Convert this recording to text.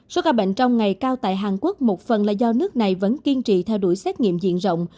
số ca bệnh trong ngày cao tại hàn quốc một phần là do nước này vẫn kiên trì theo đuổi xét nghiệm diện rộng